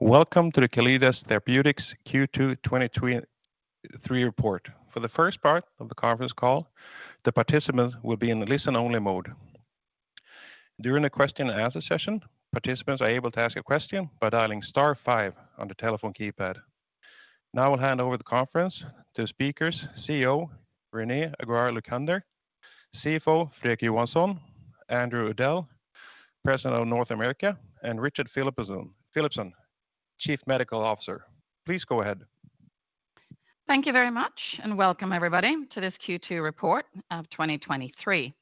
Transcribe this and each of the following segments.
Welcome to the Calliditas Therapeutics Q2 2023 report. For the first part of the conference call, the participants will be in a listen-only mode. During the question and answer session, participants are able to ask a question by dialing star five on the telephone keypad. I'll hand over the conference to speakers, CEO, Renée Aguiar-Lucander, CFO, Fredrik Johansson, Andrew Udell, President of North America, and Richard Philipson, Chief Medical Officer. Please go ahead. Thank you very much, welcome everybody to this Q2 report of 2023.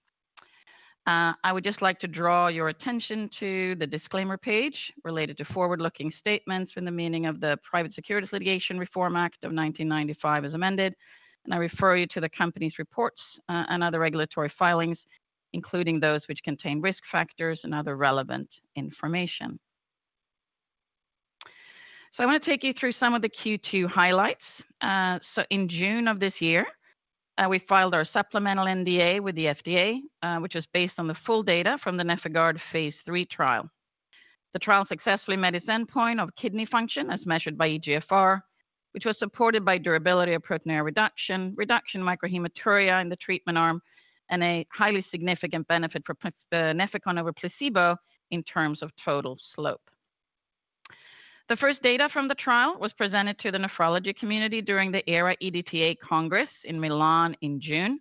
I would just like to draw your attention to the disclaimer page related to forward-looking statements in the meaning of the Private Securities Litigation Reform Act of 1995 as amended. I refer you to the company's reports and other regulatory filings, including those which contain risk factors and other relevant information. I want to take you through some of the Q2 highlights. In June of this year, we filed our supplemental NDA with the FDA, which is based on the full data from the NefIgArd phase III trial. The trial successfully met its endpoint of kidney function as measured by eGFR, which was supported by durability of proteinuria reduction, reduction in microhematuria in the treatment arm, and a highly significant benefit for Nefecon over placebo in terms of total slope. The first data from the trial was presented to the nephrology community during the ERA-EDTA Congress in Milan in June,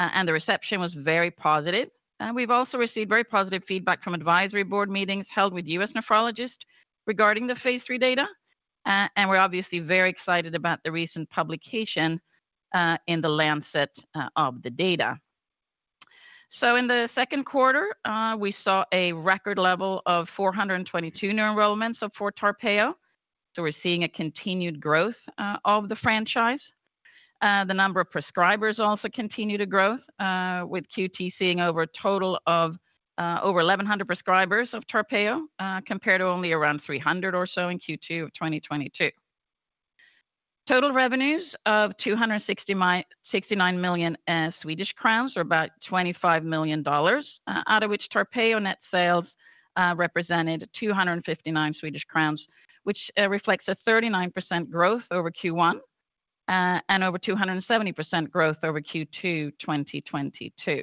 and the reception was very positive. We've also received very positive feedback from advisory board meetings held with U.S. nephrologists regarding the phase III data. We're obviously very excited about the recent publication in The Lancet of the data. In the second quarter, we saw a record level of 422 new enrollments for TARPEYO. We're seeing a continued growth of the franchise. The number of prescribers also continue to grow, with Q2 seeing over a total of over 1,100 prescribers of TARPEYO, compared to only around 300 or so in Q2 of 2022. Total revenues of 269 million Swedish crowns, or about $25 million, out of which TARPEYO net sales represented 259 million Swedish crowns, which reflects a 39% growth over Q1, and over 270% growth over Q2 2022.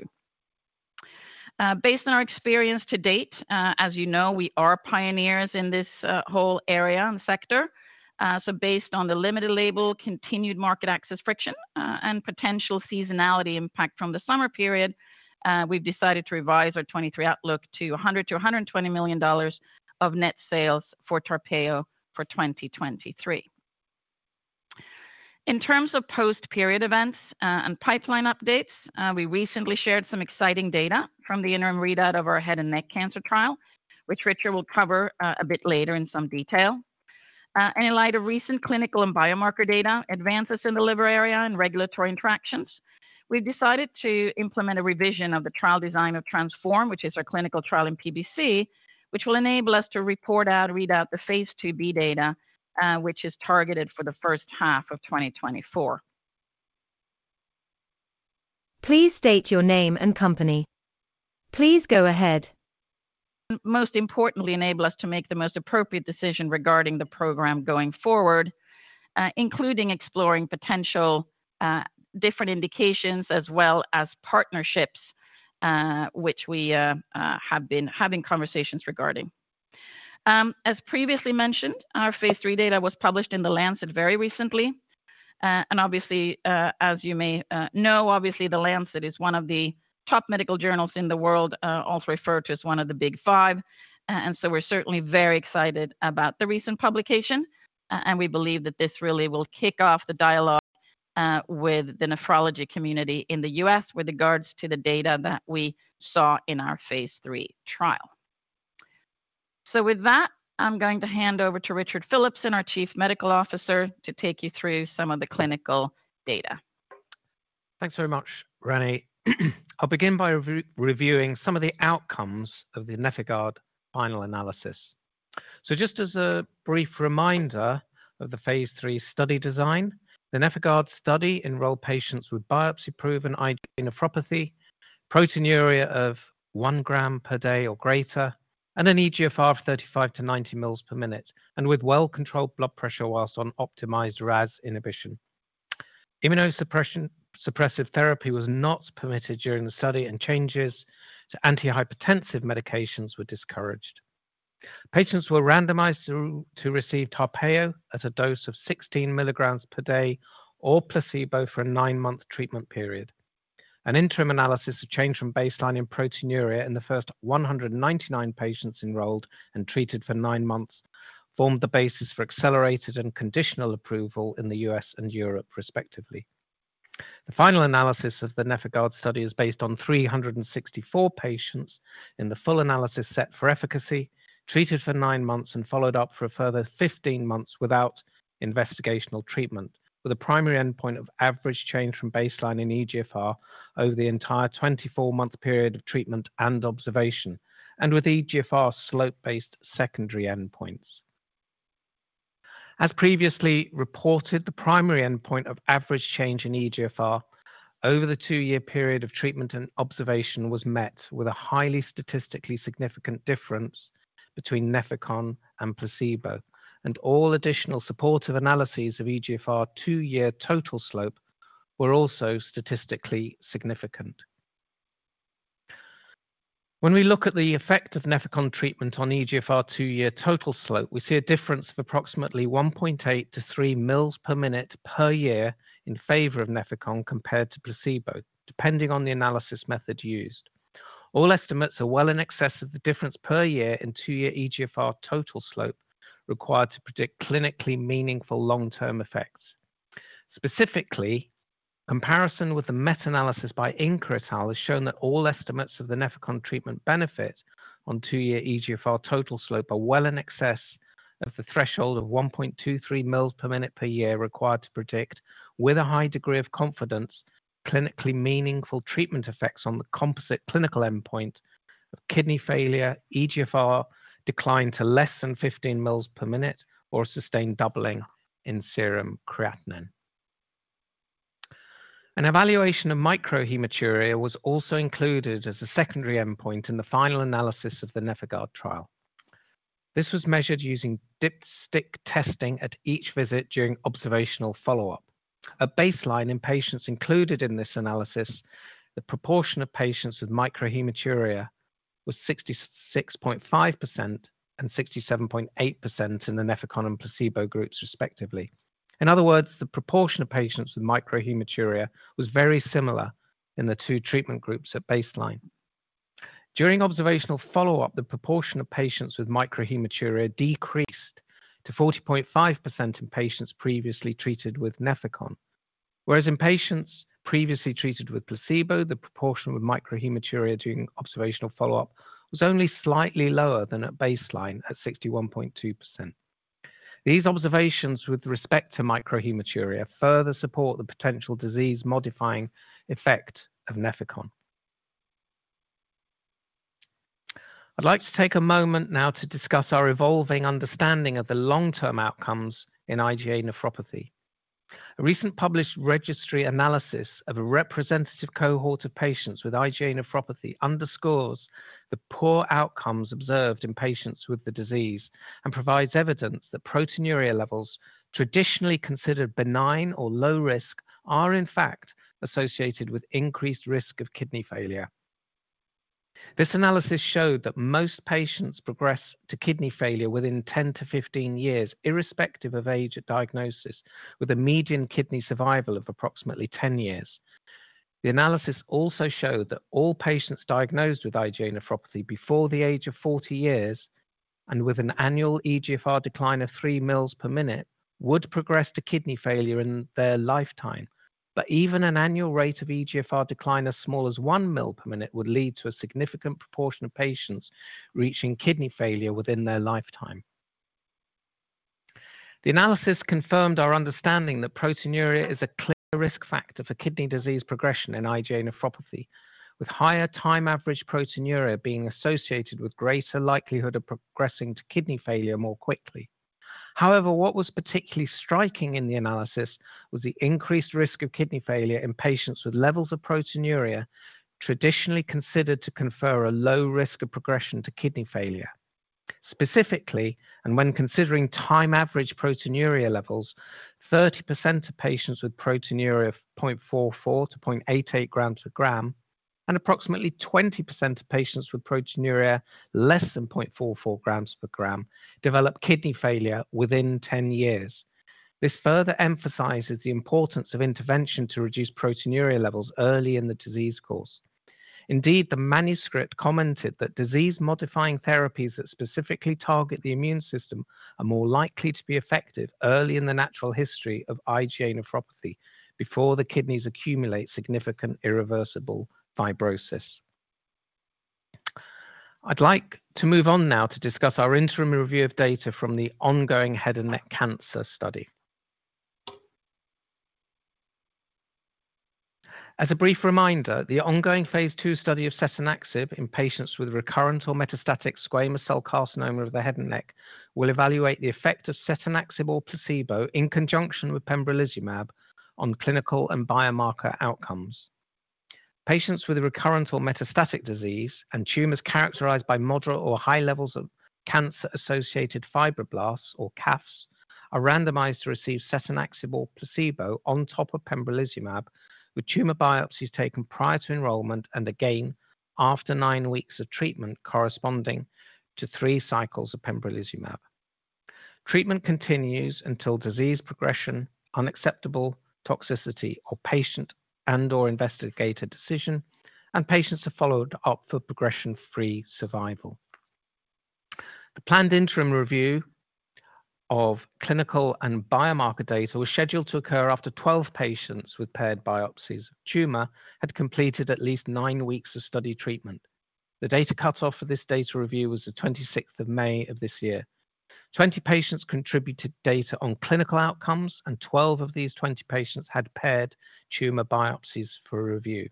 Based on our experience to date, as you know, we are pioneers in this whole area and sector. Based on the limited label, continued market access friction, and potential seasonality impact from the summer period, we've decided to revise our 2023 outlook to $100 million-$120 million of net sales for TARPEYO for 2023. In terms of post-period events, and pipeline updates, we recently shared some exciting data from the interim readout of our head and neck cancer trial, which Richard will cover a bit later in some detail. In light of recent clinical and biomarker data, advances in the liver area and regulatory interactions, we've decided to implement a revision of the trial design of TRANSFORM, which is our clinical trial in PBC, which will enable us to report out, read out the phase II-B data, which is targeted for the first half of 2024. Most importantly, enable us to make the most appropriate decision regarding the program going forward, including exploring potential different indications as well as partnerships, which we have been having conversations regarding. As previously mentioned, our phase III data was published in The Lancet very recently. Obviously, as you may know, obviously, The Lancet is one of the top medical journals in the world, also referred to as one of the Big Five. We're certainly very excited about the recent publication, and we believe that this really will kick off the dialogue with the nephrology community in the U.S. with regards to the data that we saw in our phase III trial. With that, I'm going to hand over to Richard Philipson, our Chief Medical Officer, to take you through some of the clinical data. Thanks very much, Renée. I'll begin by reviewing some of the outcomes of the NefIgArd final analysis. Just as a brief reminder of the phase III study design, the NefIgArd study enrolled patients with biopsy-proven IgA nephropathy, proteinuria of 1 g per day or greater, and an eGFR of 35 to 90 mils per minute, and with well-controlled blood pressure whilst on optimized RAS inhibition. Immunosuppressive therapy was not permitted during the study, and changes to antihypertensive medications were discouraged. Patients were randomized to receive TARPEYO at a dose of 16 mg per day or placebo for a nine-month treatment period. An interim analysis of change from baseline in proteinuria in the first 199 patients enrolled and treated for nine months, formed the basis for accelerated and conditional approval in the U.S. and Europe, respectively. The final analysis of the NefIgArd study is based on 364 patients in the full analysis set for efficacy, treated for nine months and followed up for a further 15 months without investigational treatment, with a primary endpoint of average change from baseline in eGFR over the entire 24-month period of treatment and observation, and with eGFR slope-based secondary endpoints. As previously reported, the primary endpoint of average change in eGFR over the two-year period of treatment and observation was met with a highly statistically significant difference between Nefecon and placebo. All additional supportive analyses of eGFR two-year total slope were also statistically significant. When we look at the effect of Nefecon treatment on eGFR two-year total slope, we see a difference of approximately 1.8-3 mils per minute per year in favor of Nefecon compared to placebo, depending on the analysis method used. All estimates are well in excess of the difference per year in two-year eGFR total slope required to predict clinically meaningful long-term effects. Specifically, comparison with the meta-analysis by Inker et al. has shown that all estimates of the Nefecon treatment benefit on two-year eGFR total slope are well in excess of the threshold of 1.23 mils per minute per year required to predict, with a high degree of confidence, clinically meaningful treatment effects on the composite clinical endpoint of kidney failure, eGFR decline to less than 15 mils per minute or a sustained doubling in serum creatinine. An evaluation of microhematuria was also included as a secondary endpoint in the final analysis of the NefIgArd trial. This was measured using dipstick testing at each visit during observational follow-up. At baseline, in patients included in this analysis, the proportion of patients with microhematuria was 66.5% and 67.8% in the Nefecon and placebo groups, respectively. In other words, the proportion of patients with microhematuria was very similar in the two treatment groups at baseline. During observational follow-up, the proportion of patients with microhematuria decreased to 40.5% in patients previously treated with Nefecon, whereas in patients previously treated with placebo, the proportion with microhematuria during observational follow-up was only slightly lower than at baseline, at 61.2%. These observations with respect to microhematuria further support the potential disease-modifying effect of Nefecon. I'd like to take a moment now to discuss our evolving understanding of the long-term outcomes in IgA nephropathy. A recent published registry analysis of a representative cohort of patients with IgA nephropathy underscores the poor outcomes observed in patients with the disease and provides evidence that proteinuria levels traditionally considered benign or low risk are in fact associated with increased risk of kidney failure. This analysis showed that most patients progress to kidney failure within 10-15 years, irrespective of age at diagnosis, with a median kidney survival of approximately 10 years. The analysis also showed that all patients diagnosed with IgA nephropathy before the age of 40 years and with an annual eGFR decline of 3 mils per minute, would progress to kidney failure in their lifetime. Even an annual rate of eGFR decline as small as 1 mil per minute would lead to a significant proportion of patients reaching kidney failure within their lifetime. The analysis confirmed our understanding that proteinuria is a clear risk factor for kidney disease progression in IgA nephropathy, with higher time average proteinuria being associated with greater likelihood of progressing to kidney failure more quickly. However, what was particularly striking in the analysis was the increased risk of kidney failure in patients with levels of proteinuria traditionally considered to confer a low risk of progression to kidney failure. Specifically, and when considering time average proteinuria levels, 30% of patients with proteinuria of 0.44 g-0.88 g per gram, and approximately 20% of patients with proteinuria less than 0.44 g per gram, developed kidney failure within 10 years. This further emphasizes the importance of intervention to reduce proteinuria levels early in the disease course. Indeed, the manuscript commented that disease-modifying therapies that specifically target the immune system are more likely to be effective early in the natural history of IgA nephropathy before the kidneys accumulate significant irreversible fibrosis. I'd like to move on now to discuss our interim review of data from the ongoing head and neck cancer study. As a brief reminder, the ongoing phase II study of setanaxib in patients with recurrent or metastatic squamous cell carcinoma of the head and neck will evaluate the effect of setanaxib or placebo in conjunction with pembrolizumab on clinical and biomarker outcomes. Patients with a recurrent or metastatic disease and tumors characterized by moderate or high levels of cancer-associated fibroblasts or CAFs, are randomized to receive setanaxib or placebo on top of pembrolizumab, with tumor biopsies taken prior to enrollment and again after nine weeks of treatment, corresponding to three cycles of pembrolizumab. Treatment continues until disease progression, unacceptable toxicity or patient and/or investigator decision, and patients are followed up for progression-free survival. The planned interim review of clinical and biomarker data was scheduled to occur after 12 patients with paired biopsies of tumor had completed at least nine weeks of study treatment. The data cutoff for this data review was the 26th of May of this year. 20 patients contributed data on clinical outcomes, and 12 of these 20 patients had paired tumor biopsies for review.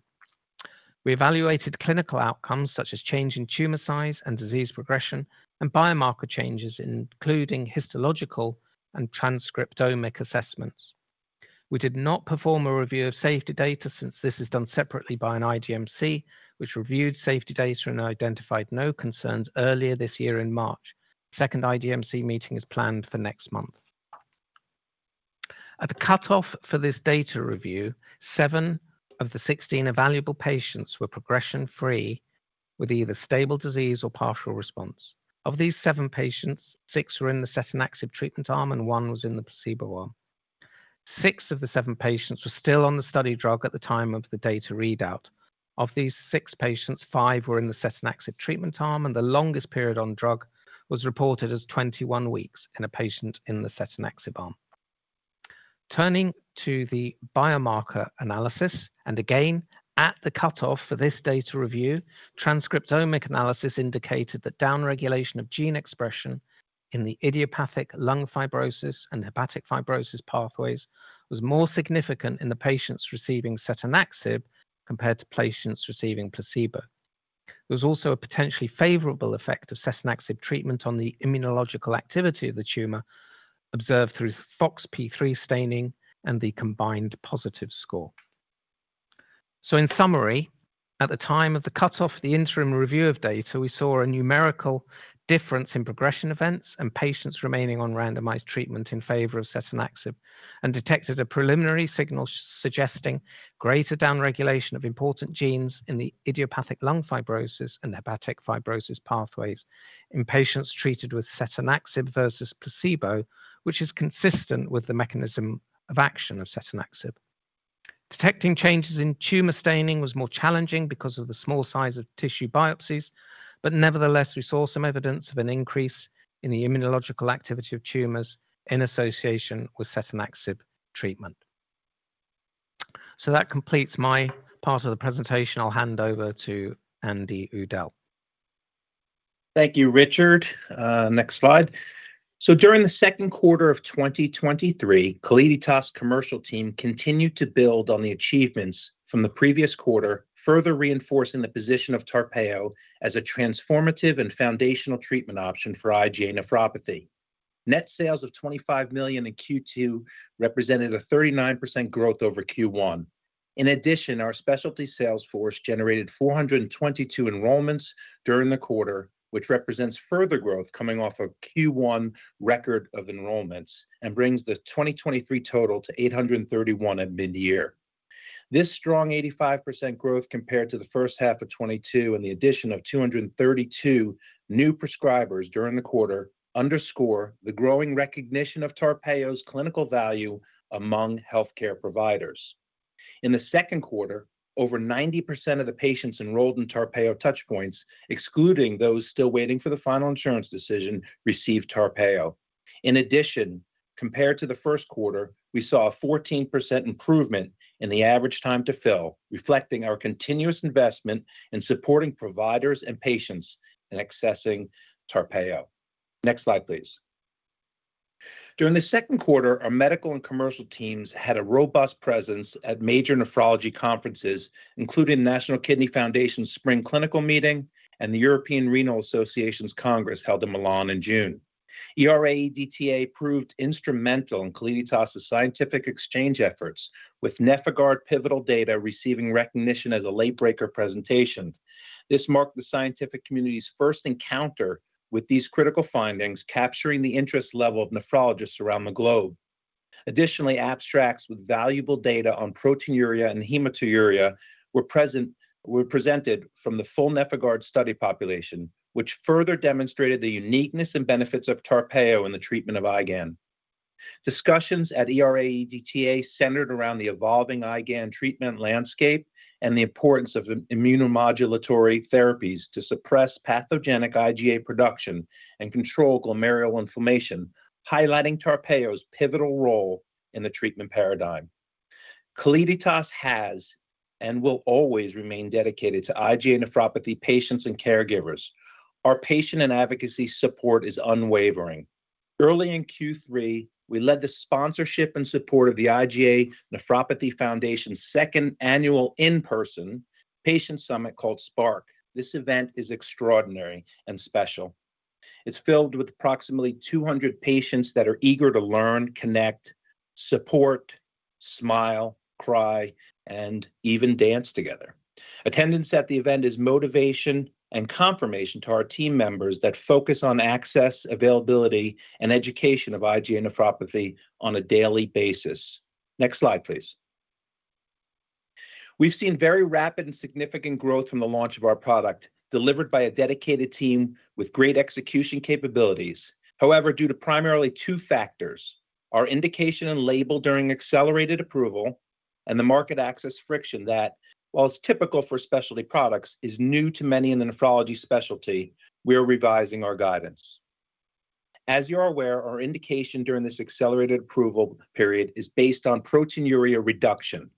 We evaluated clinical outcomes, such as change in tumor size and disease progression, and biomarker changes, including histological and transcriptomic assessments. We did not perform a review of safety data since this is done separately by an IDMC, which reviewed safety data and identified no concerns earlier this year in March. Second IDMC meeting is planned for next month. At the cutoff for this data review, seven of the 16 evaluable patients were progression-free, with either stable disease or partial response. Of these seven patients, six were in the setanaxib treatment arm, and one was in the placebo arm. Six of the seven patients were still on the study drug at the time of the data readout. Of these six patients, five were in the setanaxib treatment arm, and the longest period on drug was reported as 21 weeks in a patient in the setanaxib arm. Turning to the biomarker analysis, and again, at the cutoff for this data review, transcriptomic analysis indicated that downregulation of gene expression in the idiopathic pulmonary fibrosis and hepatic fibrosis pathways was more significant in the patients receiving setanaxib compared to patients receiving placebo. There was also a potentially favorable effect of setanaxib treatment on the immunological activity of the tumor observed through FOXP3 staining and the Combined Positive Score. In summary, at the time of the cutoff, the interim review of data, we saw a numerical difference in progression events and patients remaining on randomized treatment in favor of setanaxib and detected a preliminary signal suggesting greater downregulation of important genes in the idiopathic pulmonary fibrosis and hepatic fibrosis pathways in patients treated with setanaxib versus placebo, which is consistent with the mechanism of action of setanaxib. Detecting changes in tumor staining was more challenging because of the small size of tissue biopsies, nevertheless, we saw some evidence of an increase in the immunological activity of tumors in association with setanaxib treatment. That completes my part of the presentation. I'll hand over to Andy Udell. Thank you, Richard. Next slide. During the second quarter of 2023, Calliditas' commercial team continued to build on the achievements from the previous quarter, further reinforcing the position of TARPEYO as a transformative and foundational treatment option for IgA nephropathy. Net sales of $25 million in Q2 represented a 39% growth over Q1. In addition, our specialty sales force generated 422 enrollments during the quarter, which represents further growth coming off a Q1 record of enrollments and brings the 2023 total to 831 at mid-year. This strong 85% growth compared to the first half of 2022 and the addition of 232 new prescribers during the quarter underscore the growing recognition of TARPEYO's clinical value among healthcare providers. In the second quarter, over 90% of the patients enrolled in TARPEYO Touchpoints, excluding those still waiting for the final insurance decision, received TARPEYO. In addition, compared to the first quarter, we saw a 14% improvement in the average time to fill, reflecting our continuous investment in supporting providers and patients in accessing TARPEYO. Next slide, please. During the second quarter, our medical and commercial teams had a robust presence at major nephrology conferences, including National Kidney Foundation's Spring Clinical Meetings and the European Renal Association's Congress, held in Milan in June. ERA-EDTA proved instrumental in Calliditas' scientific exchange efforts, with NefIgArd pivotal data receiving recognition as a late-breaker presentation. This marked the scientific community's first encounter with these critical findings, capturing the interest level of nephrologists around the globe. Additionally, abstracts with valuable data on proteinuria and hematuria were presented from the full NefIgArd study population, which further demonstrated the uniqueness and benefits of TARPEYO in the treatment of IgAN. Discussions at ERA-EDTA centered around the evolving IgAN treatment landscape and the importance of immunomodulatory therapies to suppress pathogenic IgA production and control glomerular inflammation, highlighting TARPEYO's pivotal role in the treatment paradigm. Calliditas has and will always remain dedicated to IgA nephropathy patients and caregivers. Our patient and advocacy support is unwavering. Early in Q3, we led the sponsorship and support of the IgA Nephropathy Foundation's second annual in-person patient summit called SPARK. This event is extraordinary and special. It's filled with approximately 200 patients that are eager to learn, connect, support, smile, cry, and even dance together. Attendance at the event is motivation and confirmation to our team members that focus on access, availability, and education of IgA nephropathy on a daily basis. Next slide, please. We've seen very rapid and significant growth from the launch of our product, delivered by a dedicated team with great execution capabilities. However, due to primarily two factors, our indication and label during accelerated approval and the market access friction that, while it's typical for specialty products, is new to many in the nephrology specialty, we are revising our guidance. As you're aware, our indication during this accelerated approval period is based on proteinuria reduction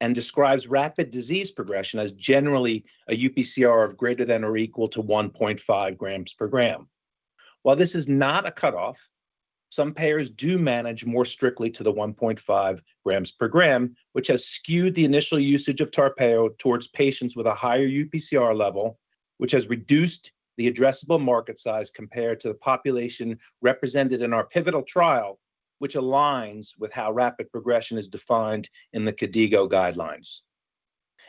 and describes rapid disease progression as generally a UPCR of greater than or equal to 1.5 g per gram.... While this is not a cutoff, some payers do manage more strictly to the 1.5 g per gram, which has skewed the initial usage of TARPEYO towards patients with a higher UPCR level, which has reduced the addressable market size compared to the population represented in our pivotal trial, which aligns with how rapid progression is defined in the KDIGO guidelines.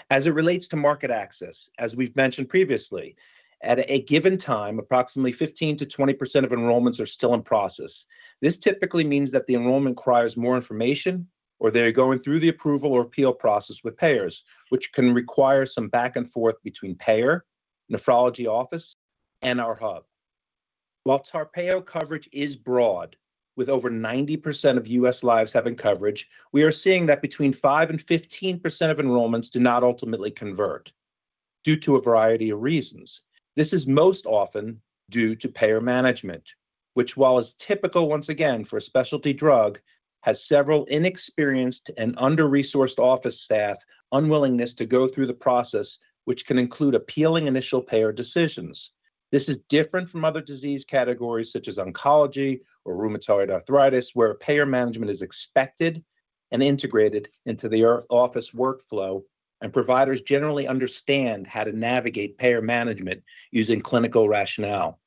As it relates to market access, as we've mentioned previously, at a given time, approximately 15%-20% of enrollments are still in process. This typically means that the enrollment requires more information or they're going through the approval or appeal process with payers, which can require some back and forth between payer, nephrology office, and our hub. While TARPEYO coverage is broad, with over 90% of U.S. lives having coverage, we are seeing that between 5% and 15% of enrollments do not ultimately convert due to a variety of reasons. This is most often due to payer management, which, while is typical, once again, for a specialty drug, has several inexperienced and under-resourced office staff unwillingness to go through the process, which can include appealing initial payer decisions. This is different from other disease categories such as oncology or rheumatoid arthritis, where payer management is expected and integrated into the earth office workflow, and providers generally understand how to navigate payer management using clinical rationale.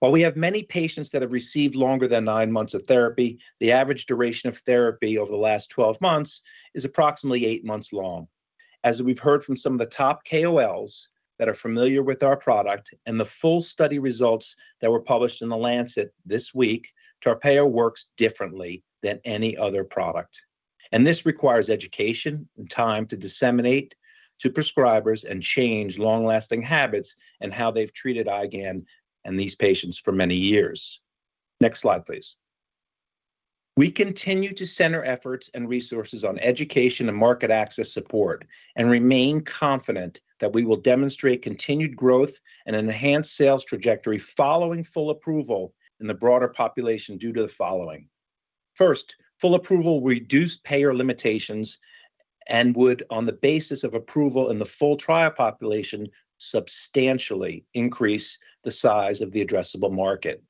While we have many patients that have received longer than 9 months of therapy, the average duration of therapy over the last 12 months is approximately eight months long. As we've heard from some of the top KOLs that are familiar with our product and the full study results that were published in The Lancet this week, TARPEYO works differently than any other product, and this requires education and time to disseminate to prescribers and change long-lasting habits and how they've treated IgAN and these patients for many years. Next slide, please. We continue to center efforts and resources on education and market access support, and remain confident that we will demonstrate continued growth and enhanced sales trajectory following full approval in the broader population due to the following. First, full approval will reduce payer limitations and would, on the basis of approval in the full trial population, substantially increase the size of the addressable market.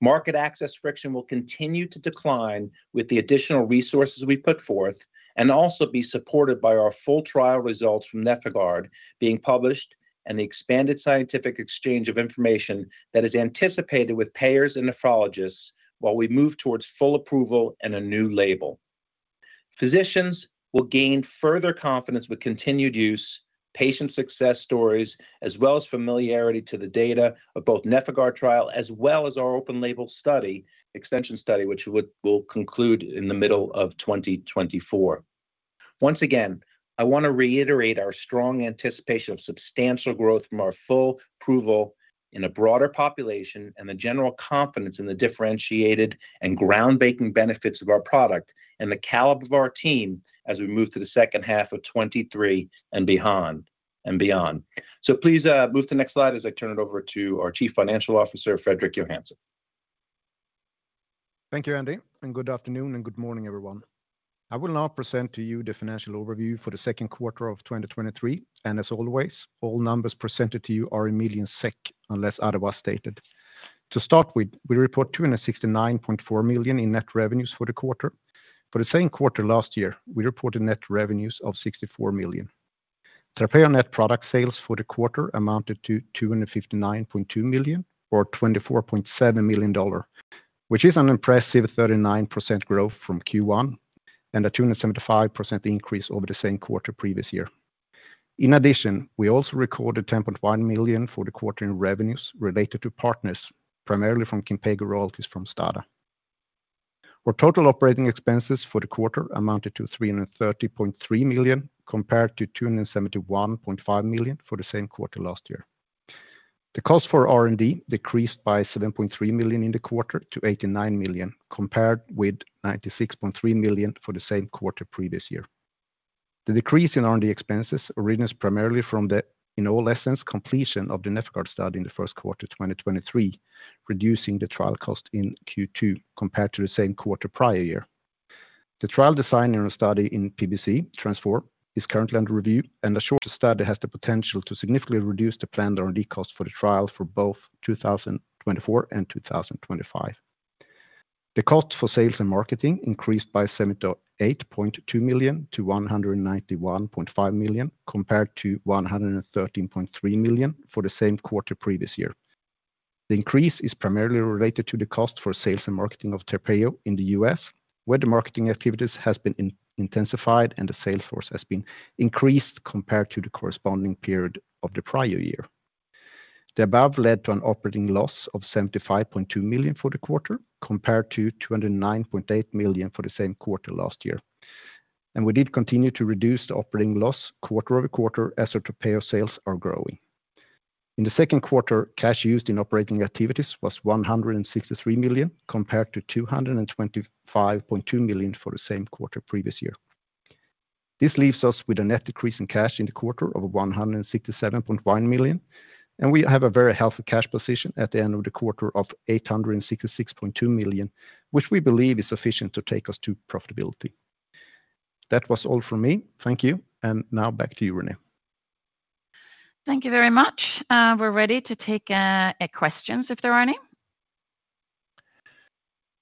Market access friction will continue to decline with the additional resources we put forth and also be supported by our full trial results from NefIgArd being published, and the expanded scientific exchange of information that is anticipated with payers and nephrologists while we move towards full approval and a new label. Physicians will gain further confidence with continued use, patient success stories, as well as familiarity to the data of both NefIgArd trial, as well as our open label study, extension study, which will conclude in the middle of 2024. Once again, I want to reiterate our strong anticipation of substantial growth from our full approval in a broader population, and the general confidence in the differentiated and groundbreaking benefits of our product, and the caliber of our team as we move to the second half of 2023 and beyond. Please, move to the next slide as I turn it over to our Chief Financial Officer, Fredrik Johansson. Thank you, Andy. Good afternoon and good morning, everyone. I will now present to you the financial overview for the second quarter of 2023. As always, all numbers presented to you are in million SEK, unless otherwise stated. To start with, we report 269.4 million in net revenues for the quarter. For the same quarter last year, we reported net revenues of 64 million. TARPEYO net product sales for the quarter amounted to 259.2 million or $24.7 million, which is an impressive 39% growth from Q1 and a 275% increase over the same quarter previous year. In addition, we also recorded 10.1 million for the quarter in revenues related to partners, primarily from Kinpeygo royalties from STADA. Our total operating expenses for the quarter amounted to 330.3 million, compared to 271.5 million for the same quarter last year. The cost for R&D decreased by 7.3 million in the quarter to 89 million, compared with 96.3 million for the same quarter previous year. The decrease in R&D expenses originates primarily from the, in all essence, completion of the NefIgArd study in the first quarter, 2023, reducing the trial cost in Q2 compared to the same quarter prior year. The trial design in our study in PBC, TRANSFORM, is currently under review, and a shorter study has the potential to significantly reduce the planned R&D cost for the trial for both 2024 and 2025. The cost for sales and marketing increased by 78.2 million to 191.5 million, compared to 113.3 million for the same quarter previous year. The increase is primarily related to the cost for sales and marketing of TARPEYO in the U.S., where the marketing activities has been intensified and the sales force has been increased compared to the corresponding period of the prior year. The above led to an operating loss of 75.2 million for the quarter, compared to 209.8 million for the same quarter last year. We did continue to reduce the operating loss quarter-over-quarter as our TARPEYO sales are growing. In the second quarter, cash used in operating activities was 163 million, compared to 225.2 million for the same quarter previous year. This leaves us with a net decrease in cash in the quarter of 167.1 million. We have a very healthy cash position at the end of the quarter of 866.2 million, which we believe is sufficient to take us to profitability. ...That was all from me. Thank you, and now back to you, Renée. Thank you very much. We're ready to take questions if there are any.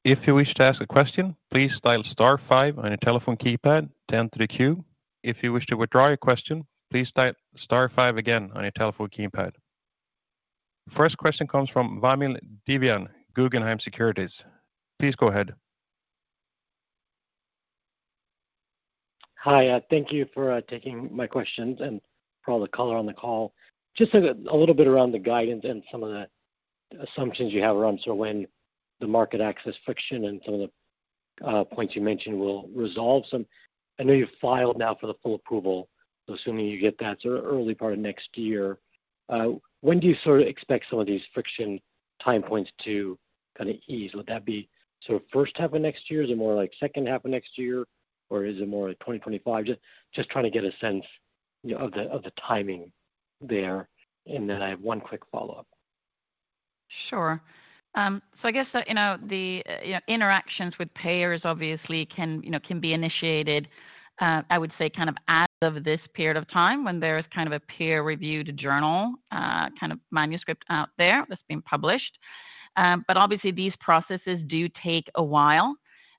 If you wish to ask a question, please dial star five on your telephone keypad to enter the queue. If you wish to withdraw your question, please type star five again on your telephone keypad. First question comes from Vamil Divan, Guggenheim Securities. Please go ahead. Hi, thank you for taking my questions and for all the color on the call. Just a little bit around the guidance and some of the assumptions you have around when the market access friction and some of the points you mentioned will resolve. I know you filed now for the full approval, so assuming you get that sort of early part of next year, when do you sort of expect some of these friction time points to kind of ease? Would that be sort of first half of next year, is it more like second half of next year, or is it more like 2025? Just trying to get a sense, you know, of the timing there, and then I have one quick follow-up. Sure. I guess, you know, the interactions with payers obviously can, you know, can be initiated, I would say, kind of as of this period of time, when there is kind of a peer-reviewed journal, kind of manuscript out there that's been published. Obviously, these processes do take a while,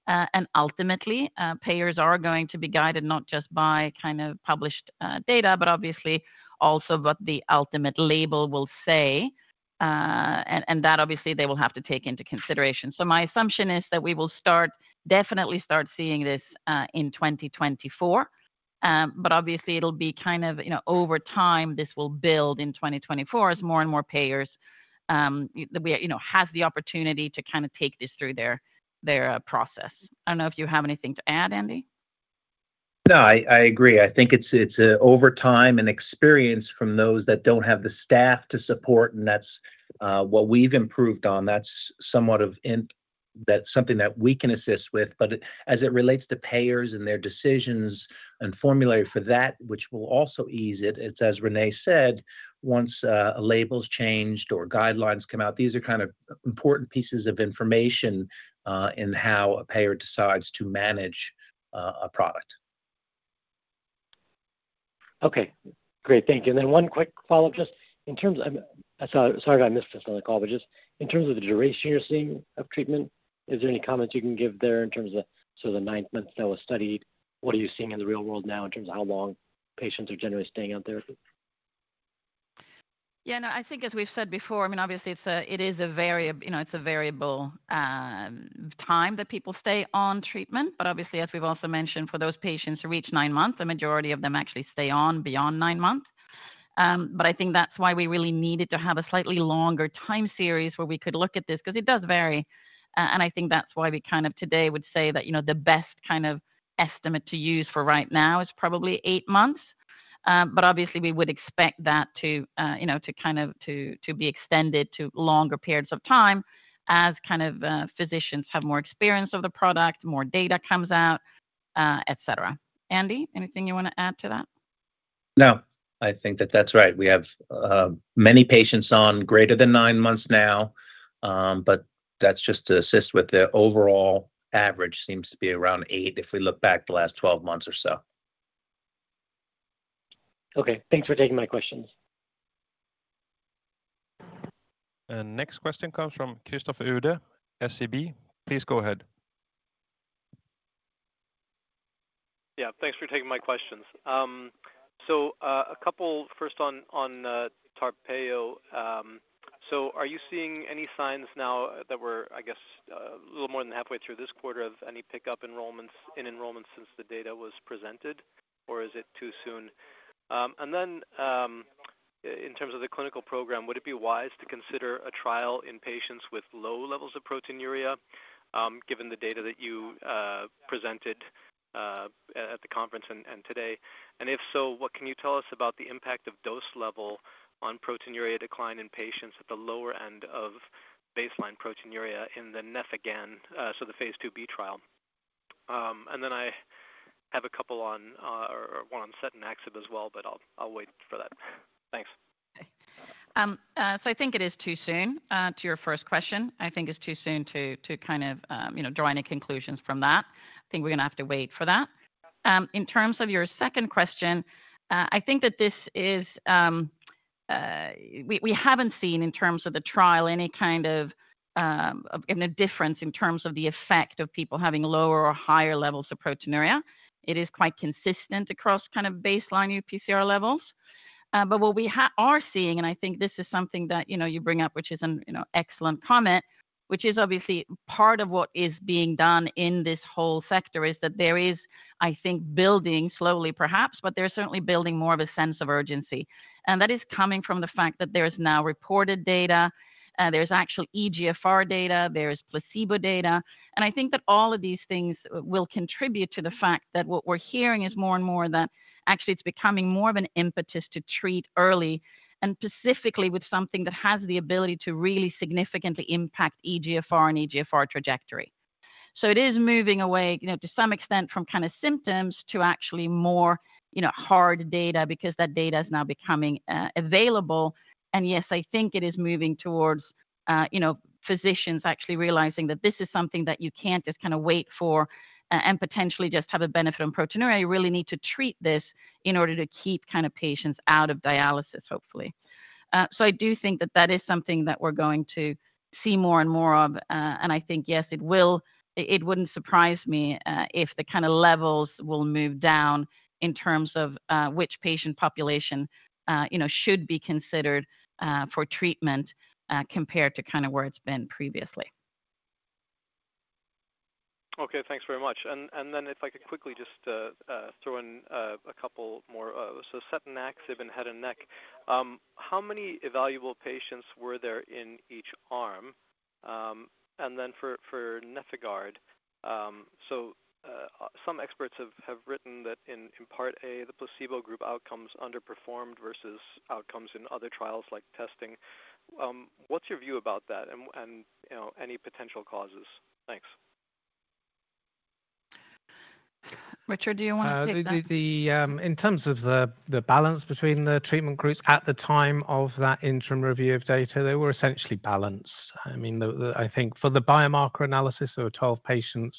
and ultimately, payers are going to be guided not just by kind of published data, but obviously also what the ultimate label will say. And that obviously, they will have to take into consideration. My assumption is that we will start, definitely start seeing this, in 2024, but obviously, it'll be kind of, you know, over time, this will build in 2024 as more and more payers, you know, have the opportunity to kind of take this through their, their, process. I don't know if you have anything to add, Andy? No, I, I agree. I think it's, it's, over time and experience from those that don't have the staff to support, and that's, what we've improved on. That's something that we can assist with. As it relates to payers and their decisions and formulary for that, which will also ease it, it's as Renée said, once, a label's changed or guidelines come out, these are kind of important pieces of information, in how a payer decides to manage, a product. Okay, great. Thank you. One quick follow-up. I'm sorry, I missed this on the call, but just in terms of the duration you're seeing of treatment, is there any comments you can give there in terms of, so the 9 months that was studied, what are you seeing in the real world now in terms of how long patients are generally staying on therapy? Yeah, no, I think as we've said before, I mean, obviously, it's a, it is a very, you know, it's a variable, time that people stay on treatment, but obviously, as we've also mentioned, for those patients who reach nine months, the majority of them actually stay on beyond nine months. I think that's why we really needed to have a slightly longer time series where we could look at this, because it does vary. And I think that's why we kind of today would say that, you know, the best kind of estimate to use for right now is probably eight months. Obviously, we would expect that to, you know, to kind of to, to be extended to longer periods of time as kind of, physicians have more experience of the product, more data comes out, et cetera. Andy, anything you want to add to that? I think that that's right. We have many patients on greater than nine months now, but that's just to assist with the overall average seems to be around eight if we look back the last 12 months or so. Okay, thanks for taking my questions. Next question comes from Christopher Uhde, SEB. Please go ahead. Yeah, thanks for taking my questions. A couple first on TARPEYO. Are you seeing any signs now that we're, I guess, a little more than halfway through this quarter, of any pickup enrollments, in enrollments since the data was presented, or is it too soon? In terms of the clinical program, would it be wise to consider a trial in patients with low levels of proteinuria, given the data that you presented at the conference and today? If so, what can you tell us about the impact of dose level on proteinuria decline in patients at the lower end of baseline proteinuria in the NEFIGAN, so the phase II-B trial? I have a couple on, or one on setanaxib as well, but I'll, I'll wait for that. Thanks. I think it is too soon to your first question. I think it's too soon to, to you know, draw any conclusions from that. I think we're going to have to wait for that. In terms of your second question, I think that this is, we, we haven't seen, in terms of the trial, any difference in terms of the effect of people having lower or higher levels of proteinuria. It is quite consistent across baseline UPCR levels. What we are seeing, and I think this is something that, you know, you bring up, which is an excellent comment, which is obviously part of what is being done in this whole sector, is that there is, I think, building slowly, perhaps, but there's certainly building more of a sense of urgency. That is coming from the fact that there is now reported data, there's actual eGFR data, there's placebo data, and I think that all of these things will contribute to the fact that what we're hearing is more and more that actually it's becoming more of an impetus to treat early, and specifically with something that has the ability to really significantly impact eGFR and eGFR trajectory. It is moving away, you know, to some extent, from kind of symptoms to actually more, you know, hard data because that data is now becoming available. Yes, I think it is moving towards, you know, physicians actually realizing that this is something that you can't just kind of wait for, and potentially just have a benefit on proteinuria. You really need to treat this in order to keep kind of patients out of dialysis, hopefully. I do think that that is something that we're going to see more and more of. I think, yes, it wouldn't surprise me, if the kind of levels will move down in terms of, which patient population, you know, should be considered for treatment, compared to kind of where it's been previously. Okay, thanks very much. Then if I could quickly just throw in a couple more. Setravatinib in head and neck, how many evaluable patients were there in each arm? Then for, for NefIgArd, so some experts have written that in part A, the placebo group outcomes underperformed versus outcomes in other trials, like testing. What's your view about that, and, and, you know, any potential causes? Thanks. Richard, do you want to take that? In terms of the, the balance between the treatment groups at the time of that interim review of data, they were essentially balanced. I mean, I think for the biomarker analysis, there were 12 patients.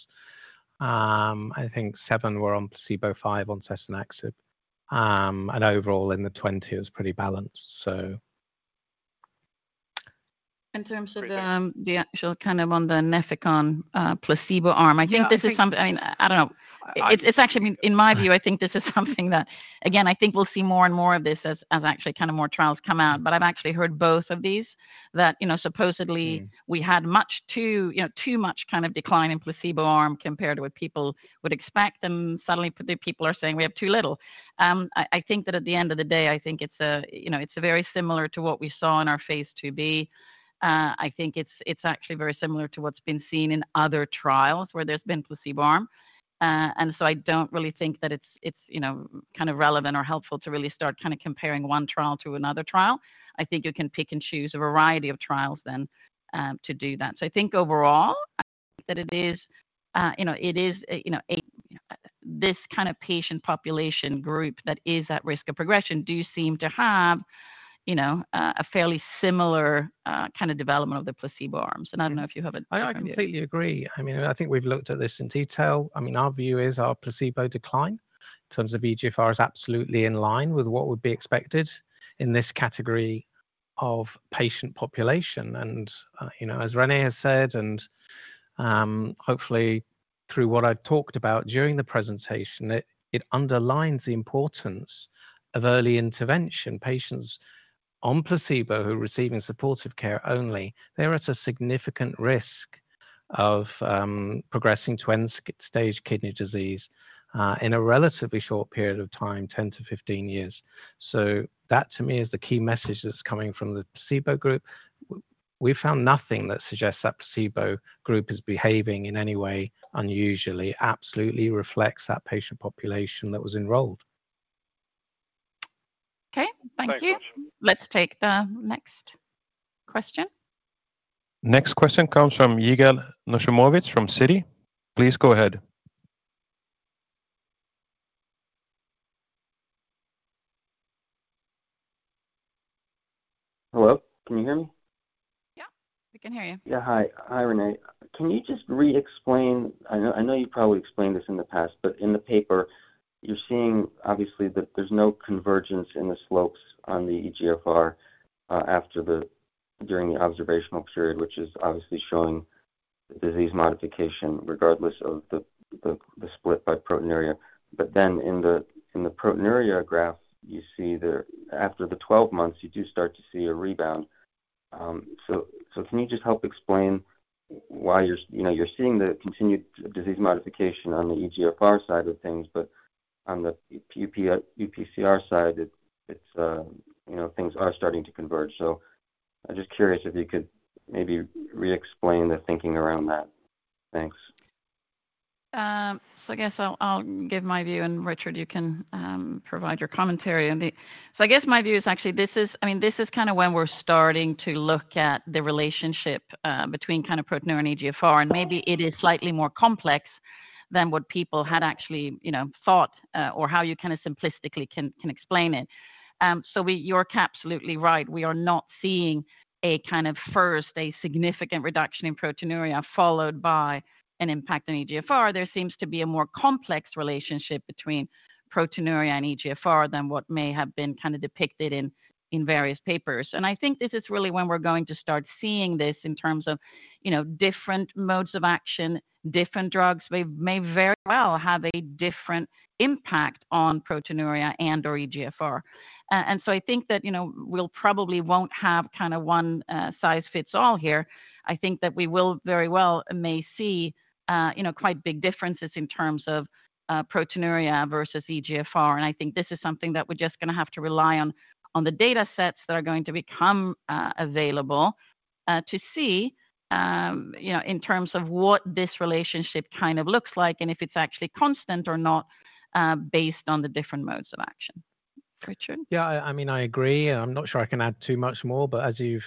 I think seven were on placebo, five on setravatinib. Overall, in the 20, it was pretty balanced, so. In terms of Great... the actual kind of on the Nefecon, placebo arm- Yeah, I think. I think this is something... I mean, I don't know. I- It's, it's actually, I mean, in my view, I think this is something that, again, I think we'll see more and more of this as, as actually kind of more trials come out. I've actually heard both of these, that, you know, supposedly... Mm-hmm... we had much too, you know, too much kind of decline in placebo arm compared to what people would expect, and suddenly the people are saying we have too little. I, I think that at the end of the day, I think it's, you know, it's very similar to what we saw in our phase II-B. I think it's, it's actually very similar to what's been seen in other trials where there's been placebo arm. I don't really think that it's, it's, you know, kind of relevant or helpful to really start kind of comparing one trial to another trial. I think you can pick and choose a variety of trials then to do that. I think overall, that it is, you know, it is, you know, a, this kind of patient population group that is at risk of progression do seem to have, you know, a fairly similar, kind of development of the placebo arms. Yeah. I don't know if you have it from you. I completely agree. I mean, I think we've looked at this in detail. I mean, our view is our placebo decline in terms of eGFR is absolutely in line with what would be expected in this category of patient population. You know, as Renée has said, hopefully through what I've talked about during the presentation, it underlines the importance of early intervention. Patients on placebo who are receiving supportive care only, they're at a significant risk of progressing to end-stage kidney disease in a relatively short period of time, 10-15 years. That, to me, is the key message that's coming from the placebo group. We found nothing that suggests that placebo group is behaving in any way unusually, absolutely reflects that patient population that was enrolled. Okay, thank you. Thanks, Richard. Let's take the next question. Next question comes from Yigal Nochomovitz from Citi. Please go ahead. Hello, can you hear me? Yeah, we can hear you. Yeah. Hi. Hi, Renée. Can you just re-explain... I know, I know you probably explained this in the past, but in the paper, you're seeing, obviously, that there's no convergence in the slopes on the eGFR during the observational period, which is obviously showing disease modification, regardless of the, the, the split by proteinuria. Then in the, in the proteinuria graph, you see the, after the 12 months, you do start to see a rebound. So can you just help explain why you're, you know, you're seeing the continued disease modification on the eGFR side of things, but on the UPCR side, it, it's, you know, things are starting to converge. I'm just curious if you could maybe re-explain the thinking around that. Thanks. I guess I'll, I'll give my view, and Richard, you can, provide your commentary on the. I guess my view is actually, this is-- I mean, this is kind of when we're starting to look at the relationship, between kind of proteinuria and eGFR, and maybe it is slightly more complex than what people had actually, you know, thought, or how you kind of simplistically can, can explain it. You're absolutely right. We are not seeing a kind of first, a significant reduction in proteinuria, followed by an impact on eGFR. There seems to be a more complex relationship between proteinuria and eGFR than what may have been kind of depicted in, in various papers. I think this is really when we're going to start seeing this in terms of, you know, different modes of action, different drugs. We may very well have a different impact on proteinuria and/or eGFR. I think that, you know, we'll probably won't have kind of one-size-fits-all here. I think that we will very well may see, you know, quite big differences in terms of, proteinuria versus eGFR. I think this is something that we're just gonna have to rely on, on the data sets that are going to become, available, to see, you know, in terms of what this relationship kind of looks like and if it's actually constant or not, based on the different modes of action. ...Richard? Yeah, I, I mean, I agree, and I'm not sure I can add too much more, but as you've,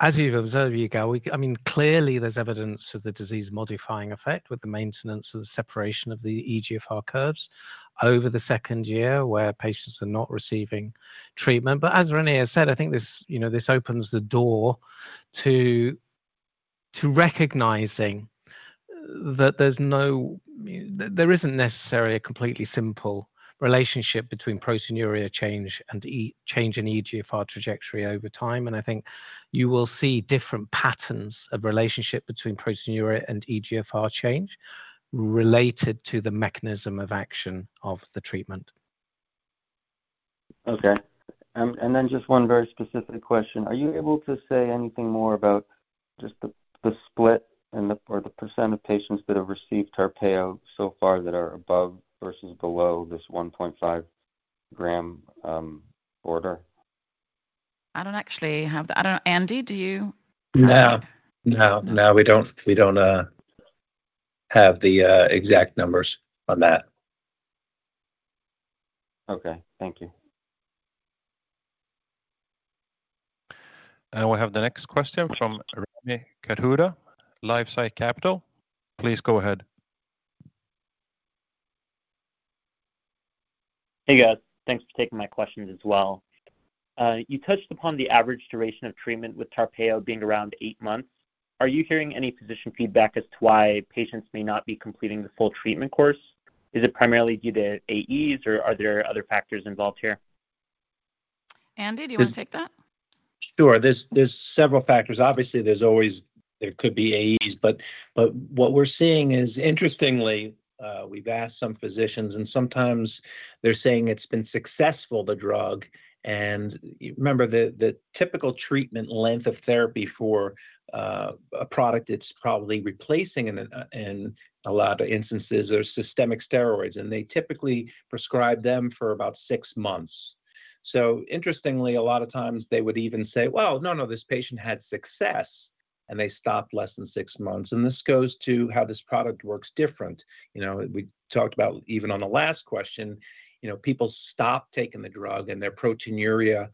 as you've observed, Yigal, I mean, clearly there's evidence of the disease-modifying effect with the maintenance and the separation of the eGFR curves over the second year where patients are not receiving treatment. As Renée has said, I think this, you know, this opens the door to, to recognizing that there's no, there isn't necessarily a completely simple relationship between proteinuria change and change in eGFR trajectory over time. I think you will see different patterns of relationship between proteinuria and eGFR change related to the mechanism of action of the treatment. Okay. Just one very specific question. Are you able to say anything more about just the, the split and the, or the percent of patients that have received TARPEYO so far that are above versus below this 1.5 g order? I don't actually have that. I don't know. Andy, do you have? No. No, no, we don't, we don't, have the, exact numbers on that. Okay, thank you. We have the next question from Rami Katkhuda, LifeSci Capital. Please go ahead. Hey, guys. Thanks for taking my questions as well. You touched upon the average duration of treatment with TARPEYO being around 8 months. Are you hearing any physician feedback as to why patients may not be completing the full treatment course? Is it primarily due to AEs, or are there other factors involved here? Andy, do you want to take that? Sure. There's, there's several factors. Obviously, there's always... there could be AEs, but, but what we're seeing is, interestingly, we've asked some physicians, and sometimes they're saying it's been successful, the drug. Remember that the typical treatment length of therapy for a product that's probably replacing in a, in a lot of instances, are systemic steroids, and they typically prescribe them for about six months. Interestingly, a lot of times they would even say, "Well, no, no, this patient had success," and they stopped less than 6 months. This goes to how this product works different. You know, we talked about even on the last question, you know, people stopped taking the drug, and their proteinuria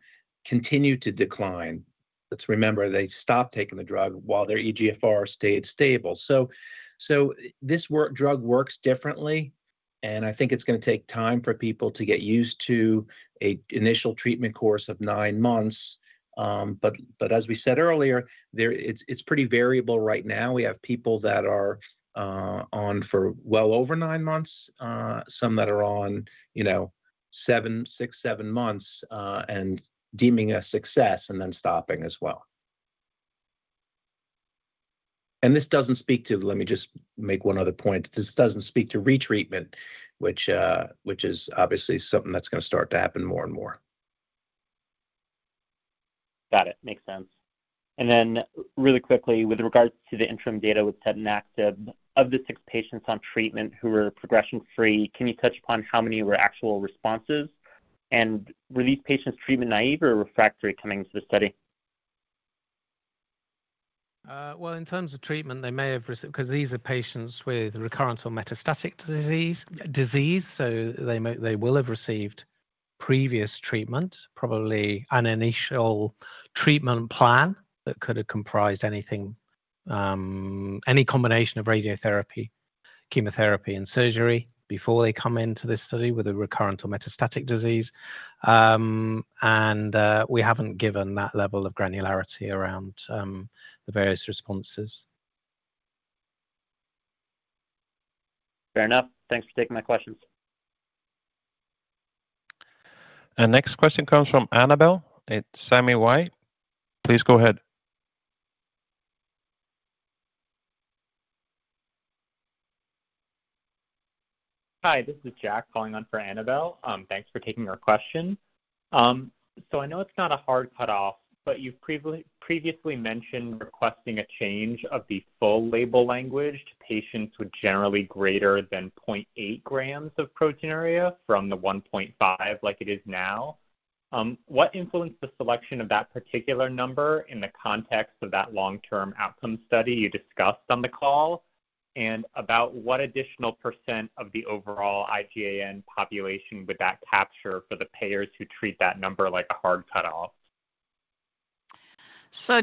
continued to decline. Let's remember, they stopped taking the drug while their eGFR stayed stable. So this drug works differently, and I think it's gonna take time for people to get used to a initial treatment course of nine months. But as we said earlier, it's, it's pretty variable right now. We have people that are on for well over nine months, some that are on, you know, seven, six, seven months, and deeming a success and then stopping as well. And this doesn't speak to... Let me just make 1 other point. This doesn't speak to retreatment, which is obviously something that's gonna start to happen more and more. Got it. Makes sense. Then really quickly, with regards to the interim data with setanaxib, of the six patients on treatment who were progression-free, can you touch upon how many were actual responses? Were these patients treatment-naive or refractory coming into the study? Well, in terms of treatment, they may have received, 'cause these are patients with recurrent or metastatic disease, so they will have received previous treatment, probably an initial treatment plan that could have comprised anything, any combination of radiotherapy, chemotherapy, and surgery before they come into this study with a recurrent or metastatic disease. We haven't given that level of granularity around the various responses. Fair enough. Thanks for taking my questions. Next question comes from Annabel Samimy. Please go ahead. Hi, this is Jack calling on for Annabel. Thanks for taking our question. I know it's not a hard cutoff, but you've previously mentioned requesting a change of the full label language to patients with generally greater than 0.8 g of proteinuria from the 1.5 g like it is now. What influenced the selection of that particular number in the context of that long-term outcome study you discussed on the call? About what additional percent of the overall IgAN population would that capture for the payers who treat that number like a hard cutoff?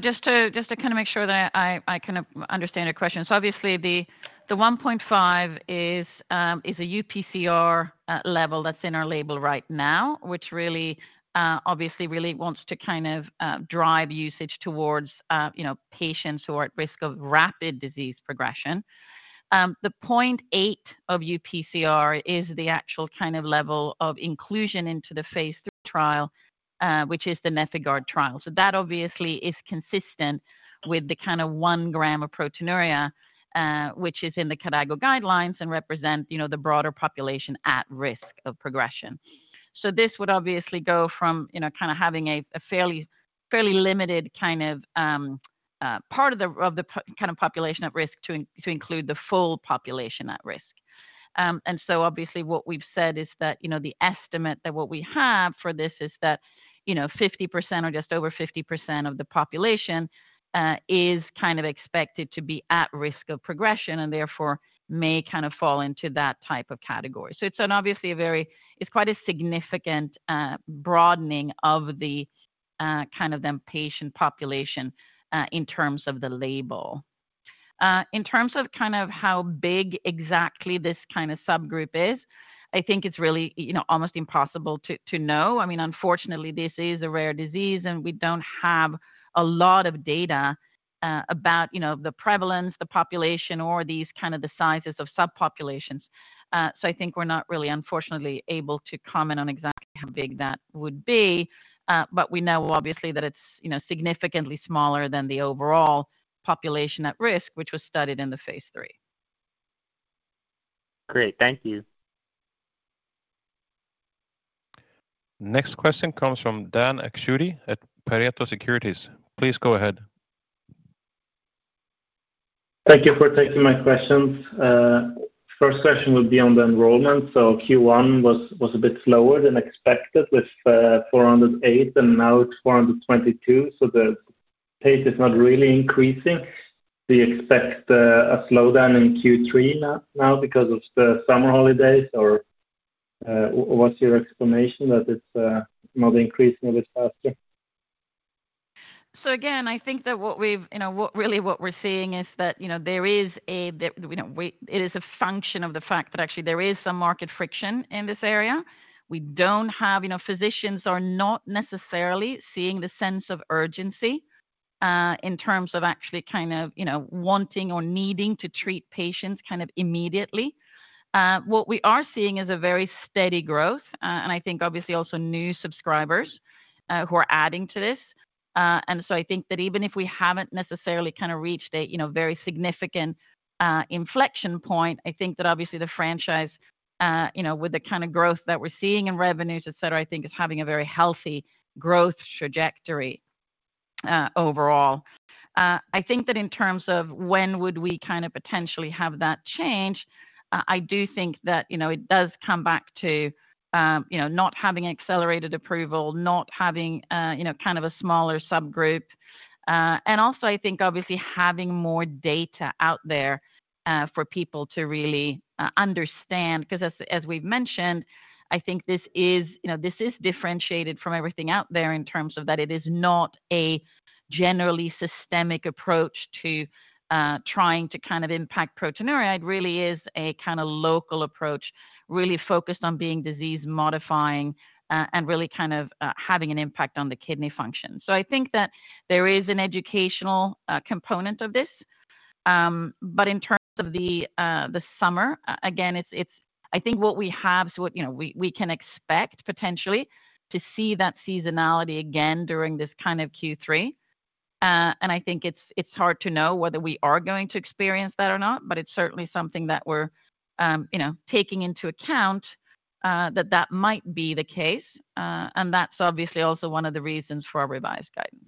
Just to, just to kind of make sure that I, I kind of understand your question. Obviously, the, the 1.5 g is a UPCR level that's in our label right now, which really obviously really wants to kind of drive usage towards, you know, patients who are at risk of rapid disease progression. The 0.8 g of UPCR is the actual kind of level of inclusion into the phase III trial, which is the NefIgArd trial. That obviously is consistent with the kind of 1 g of proteinuria, which is in the KDIGO guidelines and represent, you know, the broader population at risk of progression. This would obviously go from, you know, kind of having a, a fairly, fairly limited kind of part of the kind of population at risk to include the full population at risk. Obviously what we've said is that, you know, the estimate that what we have for this is that, you know, 50% or just over 50% of the population is kind of expected to be at risk of progression and therefore may kind of fall into that type of category. It's an obviously it's quite a significant broadening of the kind of the patient population in terms of the label. In terms of kind of how big exactly this kind of subgroup is, I think it's really, you know, almost impossible to, to know. I mean, unfortunately, this is a rare disease, and we don't have a lot of data, about, you know, the prevalence, the population or these kind of the sizes of subpopulations. I think we're not really unfortunately able to comment on exactly how big that would be. We know obviously, that it's, you know, significantly smaller than the overall population at risk, which was studied in the phase III. Great. Thank you. Next question comes from Dan Akschuti at Pareto Securities. Please go ahead. Thank you for taking my questions. First question will be on the enrollment. Q1 was, was a bit slower than expected with 408, and now it's 422, so the pace is not really increasing. Do you expect a slowdown in Q3 now, now because of the summer holidays, or what's your explanation that it's not increasing a bit faster? Again, I think that what we've, you know, really what we're seeing is that, you know, there is a. It is a function of the fact that actually there is some market friction in this area. We don't have, you know, physicians are not necessarily seeing the sense of urgency in terms of actually kind of, you know, wanting or needing to treat patients kind of immediately. What we are seeing is a very steady growth, and I think obviously also new subscribers who are adding to this. I think that even if we haven't necessarily kind of reached a, you know, very significant inflection point, I think that obviously the franchise, you know, with the kind of growth that we're seeing in revenues, et cetera, I think is having a very healthy growth trajectory overall. I think that in terms of when would we kind of potentially have that change, I do think that, you know, it does come back to, you know, not having accelerated approval, not having, you know, kind of a smaller subgroup. I think obviously having more data out there for people to really understand. Because as, as we've mentioned, I think this is, you know, this is differentiated from everything out there in terms of that it is not a generally systemic approach to trying to kind of impact proteinuria. It really is a kind of local approach, really focused on being disease-modifying, and really kind of having an impact on the kidney function. I think that there is an educational component of this. In terms of the summer, again, I think what we have is what, you know, we, we can expect potentially to see that seasonality again during this kind of Q3. I think it's, it's hard to know whether we are going to experience that or not, but it's certainly something that we're, you know, taking into account that that might be the case. That's obviously also one of the reasons for our revised guidance.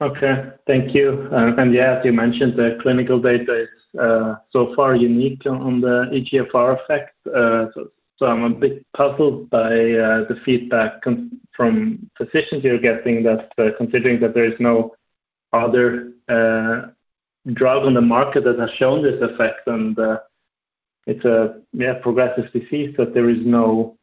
Okay. Thank you. Yeah, as you mentioned, the clinical data is, so far unique on the eGFR effect. So, I'm a bit puzzled by, the feedback from physicians you're getting, that, considering that there is no other, drug on the market that has shown this effect, and, it's a, yeah, progressive disease, that there is no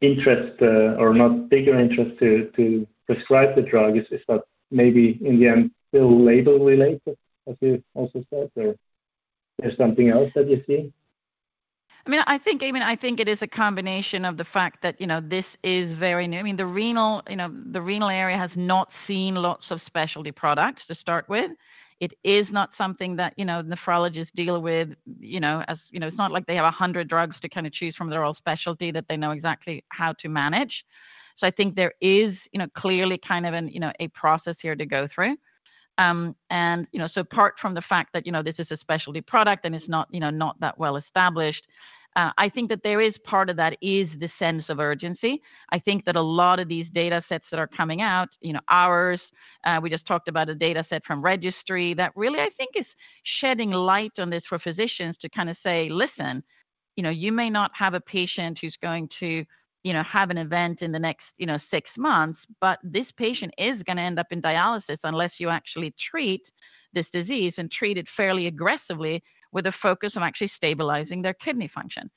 interest, or not bigger interest to, to prescribe the drug. Is that maybe, in the end, still label related, as you also said, or there's something else that you see? I mean, I think, I mean, I think it is a combination of the fact that, you know, this is very new. I mean, the renal, you know, the renal area has not seen lots of specialty products to start with. It is not something that, you know, nephrologists deal with, you know, as, you know, it's not like they have 100 drugs to kind of choose from their own specialty that they know exactly how to manage. I think there is, you know, clearly kind of an, you know, a process here to go through. You know, so apart from the fact that, you know, this is a specialty product and it's not, you know, not that well established, I think that there is part of that is the sense of urgency. I think that a lot of these datasets that are coming out, you know, ours, we just talked about a dataset from registry, that really, I think, is shedding light on this for physicians to kind of say, "Listen, you know, you may not have a patient who's going to, you know, have an event in the next, you know, six months, but this patient is gonna end up in dialysis unless you actually treat this disease and treat it fairly aggressively with a focus on actually stabilizing their kidney function."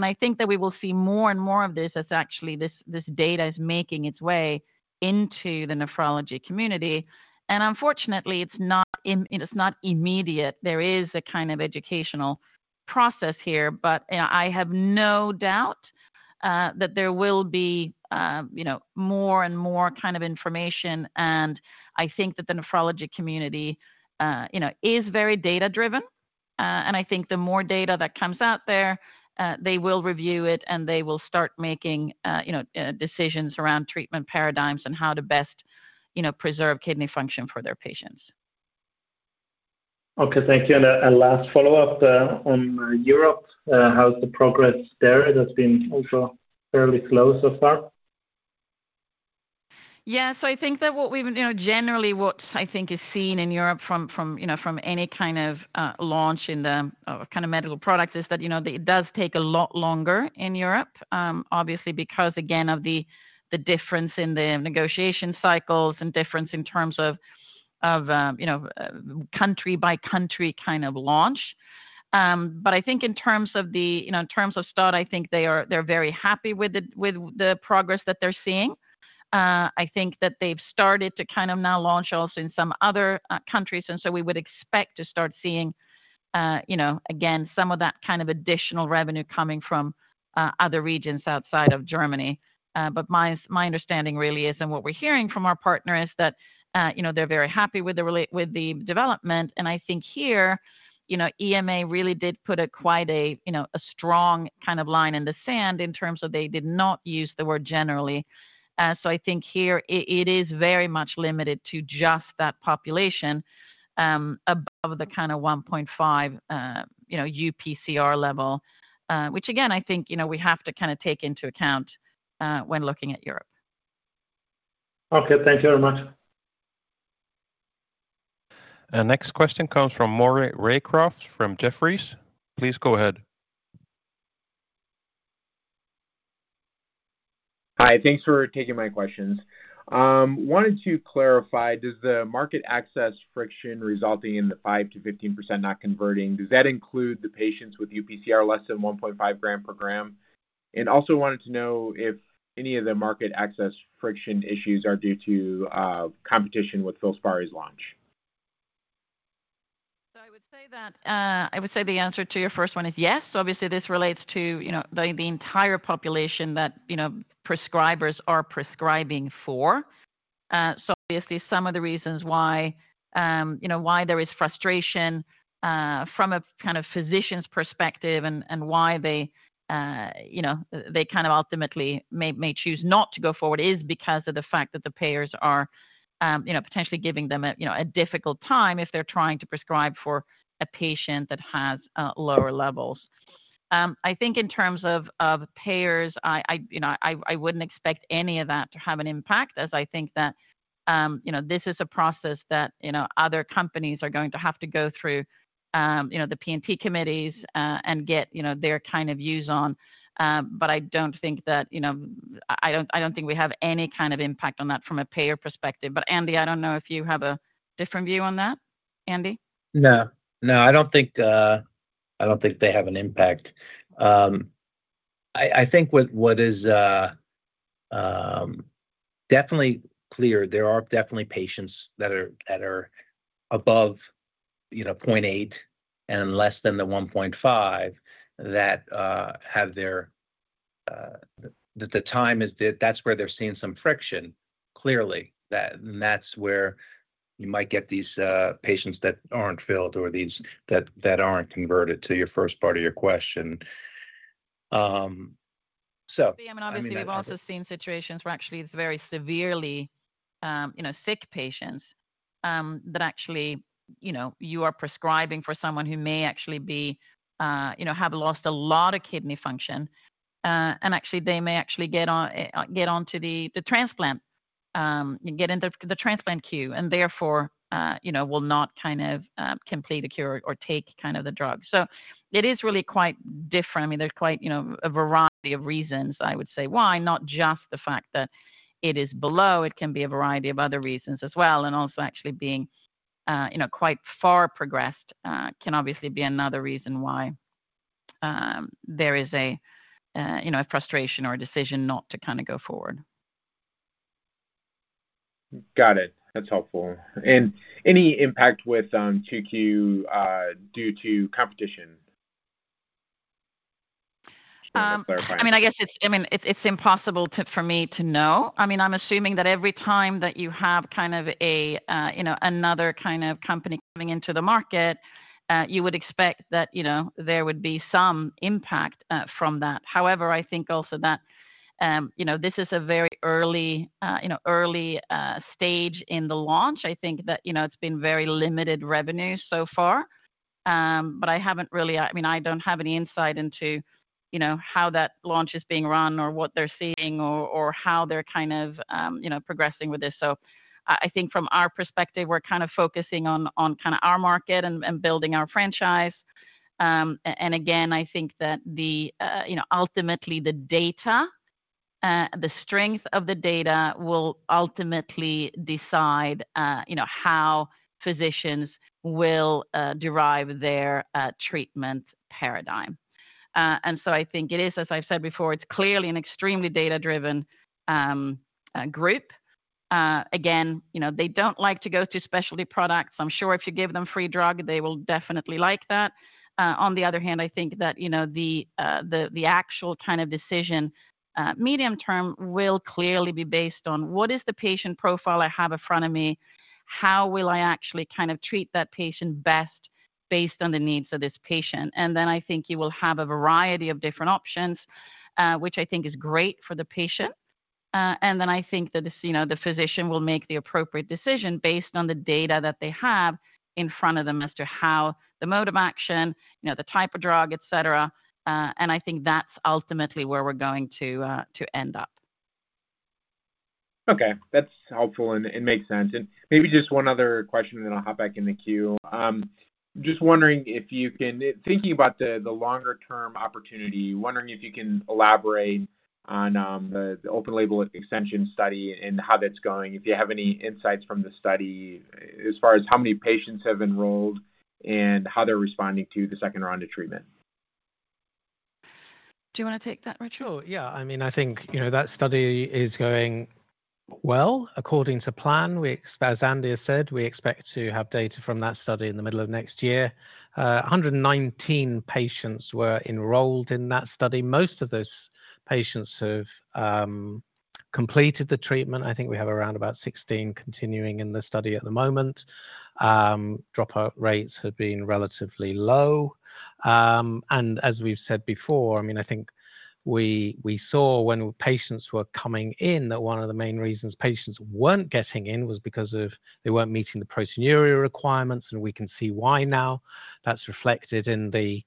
I think that we will see more and more of this as actually this, this data is making its way into the nephrology community. Unfortunately, it's not it's not immediate. There is a kind of educational process here, but, you know, I have no doubt that there will be, you know, more and more kind of information. I think that the nephrology community, you know, is very data-driven, and I think the more data that comes out there, they will review it, and they will start making, you know, decisions around treatment paradigms and how to best, you know, preserve kidney function for their patients. Okay, thank you. A last follow-up on Europe. How's the progress there? It has been also fairly slow so far. Yeah. I think that what we've-- you know, generally, what I think is seen in Europe from, from, you know, from any kind of launch in the kind of medical product is that, you know, it does take a lot longer in Europe, obviously, because again, of the, the difference in the negotiation cycles and difference in terms of, you know, country-by-country kind of launch. I think in terms of the, you know, in terms of start, I think they're very happy with the, with the progress that they're seeing. I think that they've started to kind of now launch also in some other countries, and so we would expect to start seeing, you know, again, some of that kind of additional revenue coming from other regions outside of Germany. My, my understanding really is, and what we're hearing from our partner, is that, you know, they're very happy with the with the development. I think here, you know, EMA really did put a quite a, you know, a strong kind of line in the sand in terms of they did not use the word generally. I think here, it, it is very much limited to just that population, above the kind of 1.5 g, you know, UPCR level, which again, I think, you know, we have to kind of take into account, when looking at Europe. Okay, thank you very much. Next question comes from Maury Raycroft from Jefferies. Please go ahead. Hi, thanks for taking my questions. Wanted to clarify, does the market access friction resulting in the 5%-15% not converting, does that include the patients with UPCR less than 1.5 g per gram? Also wanted to know if any of the market access friction issues are due to competition with Filspari's launch. I would say that, I would say the answer to your first one is yes. Obviously, this relates to, you know, the, the entire population that, you know, prescribers are prescribing for. Obviously, some of the reasons why, you know, why there is frustration from a kind of physician's perspective and, and why they, you know, they kind of ultimately may, may choose not to go forward is because of the fact that the payers are, you know, potentially giving them a, you know, a difficult time if they're trying to prescribe for a patient that has lower levels. I think in terms of, of payers, I, I, you know, I, I wouldn't expect any of that to have an impact, as I think that, you know, this is a process that, you know, other companies are going to have to go through, you know, the P&T committees, and get, you know, their kind of views on. I don't think that, you know, I, I don't, I don't think we have any kind of impact on that from a payer perspective. Andy, I don't know if you have a different view on that. Andy? No, no, I don't think, I don't think they have an impact. I, I think what, what is, definitely clear, there are definitely patients that are, that are above, you know, 0.8 g and less than the 1.5 g, that, have their, the, the time is the... That's where they're seeing some friction, clearly. That, and that's where you might get these, patients that aren't filled or these, that, that aren't converted to your 1st part of your question. I mean. I mean, obviously, we've also seen situations where actually it's very severely, you know, sick patients, that actually, you know, you are prescribing for someone who may actually be, you know, have lost a lot of kidney function, and actually, they may actually get on, get onto the, the transplant, get into the, the transplant queue, and therefore, you know, will not kind of, complete a cure or take kind of the drug. It is really quite different. I mean, there's quite, you know, a variety of reasons I would say why, not just the fact that it is below. It can be a variety of other reasons as well, and also actually being, you know, quite far progressed, can obviously be another reason why, there is a, you know, a frustration or a decision not to kind of go forward. Got it. That's helpful. Any impact with, 2Q, due to competition? clarifying- I mean, I guess it's... I mean, it's, it's impossible to, for me to know. I mean, I'm assuming that every time that you have kind of a, you know, another kind of company coming into the market, you would expect that, you know, there would be some impact from that. However, I think also that, you know, this is a very early, you know, early stage in the launch. I think that, you know, it's been very limited revenue so far. I mean, I don't have any insight into, you know, how that launch is being run or what they're seeing or, or how they're kind of, you know, progressing with this. So I, I think from our perspective, we're kind of focusing on, on kind of our market and, and building our franchise. Again, I think that the, you know, ultimately, the data, the strength of the data will ultimately decide, you know, how physicians will derive their treatment paradigm. I think it is, as I've said before, it's clearly an extremely data-driven group. Again, you know, they don't like to go through specialty products. I'm sure if you give them free drug, they will definitely like that. On the other hand, I think that, you know, the, the actual kind of decision, medium term will clearly be based on what is the patient profile I have in front of me? How will I actually kind of treat that patient best based on the needs of this patient? Then I think you will have a variety of different options, which I think is great for the patient. Then I think that, as you know, the physician will make the appropriate decision based on the data that they have in front of them as to how the mode of action, you know, the type of drug, et cetera, and I think that's ultimately where we're going to, to end up. Okay, that's helpful and makes sense. Maybe just 1 other question, and then I'll hop back in the queue. Just wondering if you can, thinking about the longer-term opportunity, wondering if you can elaborate on the open label extension study and how that's going. If you have any insights from the study, as far as how many patients have enrolled and how they're responding to the second round of treatment? Do you want to take that, Richard? Sure. Yeah, I mean, I think, you know, that study is going well, according to plan. As Renée said, we expect to have data from that study in the middle of next year. 119 patients were enrolled in that study. Most of those patients have completed the treatment. I think we have around about 16 continuing in the study at the moment. Dropout rates have been relatively low. As we've said before, I mean, I think we, we saw when patients were coming in, that one of the main reasons patients weren't getting in was because of they weren't meeting the proteinuria requirements, and we can see why now. That's reflected in the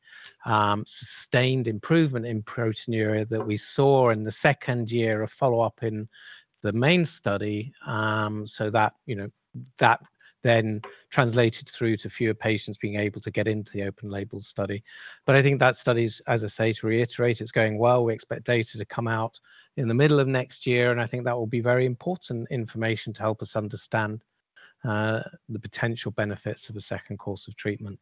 sustained improvement in proteinuria that we saw in the second year of follow-up in the main study. That, you know, that then translated through to fewer patients being able to get into the open label study. I think that study, as I say, to reiterate, it's going well. We expect data to come out in the middle of next year. I think that will be very important information to help us understand the potential benefits of a second course of treatment.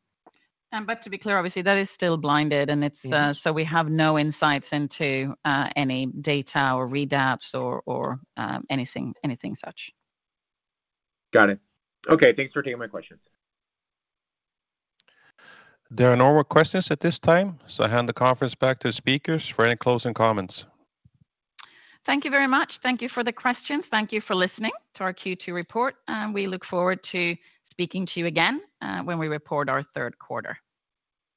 To be clear, obviously, that is still blinded, and it's. Yes. We have no insights into, any data or readouts or, or, anything, anything such. Got it. Okay. Thanks for taking my questions. There are no more questions at this time. I hand the conference back to the speakers for any closing comments. Thank you very much. Thank you for the questions. Thank you for listening to our Q2 report, and we look forward to speaking to you again, when we report our third quarter.